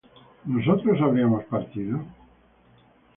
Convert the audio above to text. ¿nosotros habríamos partido?